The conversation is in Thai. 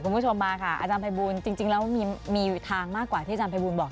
คุณผู้ชมมาค่ะอาจารย์ภัยบูลจริงแล้วมีทางมากกว่าที่อาจารย์ภัยบูลบอก